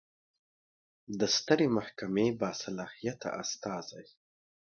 د سترې محکمې باصلاحیته استازی